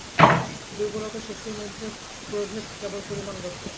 দুর্বলতা ও শক্তির মধ্যে প্রভেদ কেবল পরিমাণগত।